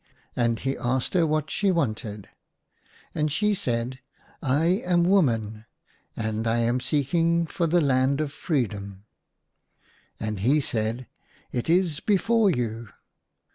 And he asked her what she wanted ; and she said " I am woman ; and I am seekinof for the land of Freedom." And he said, " It is before you."